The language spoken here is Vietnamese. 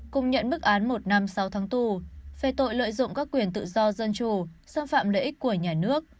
cùng nhận mức án một năm sáu tháng tù về tội lợi dụng các quyền tự do dân chủ xâm phạm lợi ích của nhà nước